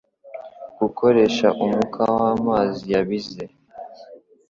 Gukoresha umwuka w'amazi yabize